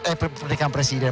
eh pernikahan presiden